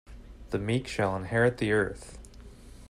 The meek shall inherit the earth.